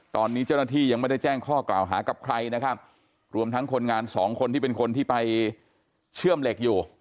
ตอนนี้เจ้าหน้าที่ยังไม่ได้แจ้งข้อกล่าวหากับใครนะครับรวมทั้งคนงานสองคนที่เป็นคนที่ไปเชื่อมเหล็กอยู่